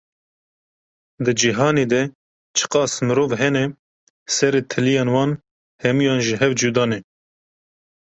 Di cîhanê de çiqas mirov hene, serê tiliyên wan hemiyan ji hev cuda ne!